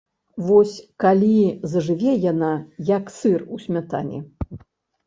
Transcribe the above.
Вось калі зажыве яна, як сыр у смятане!